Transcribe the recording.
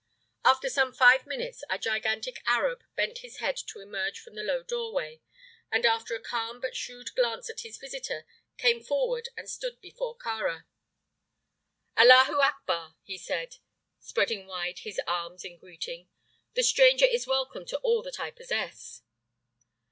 After some five minutes a gigantic Arab bent his head to emerge from the low doorway, and, after a calm but shrewd glance at his visitor, came forward and stood before Kāra. "Allahu akbar!" he said, spreading wide his arms in greeting. "The stranger is welcome to all that I possess."